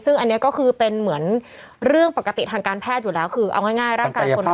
ซึ่งอันนี้ก็คือเป็นเหมือนเรื่องปกติทางการแพทย์อยู่แล้วคือเอาง่ายร่างกายคนเรา